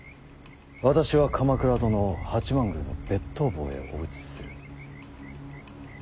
私は鎌倉殿を八幡宮の別当房へお移しする。